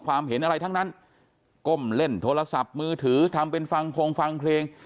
เห็นอะไรทั้งนั้นก้มเล่นโทรศัพท์มือถือทำเป็นฟังคงฟังเพลง